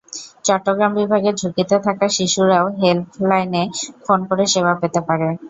চট্টগ্রাম বিভাগের ঝুঁকিতে থাকা শিশুরাও হেলপলাইনে ফোন করে সেবা পেতে পারে।